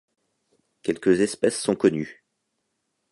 Quelque espèces sont connues.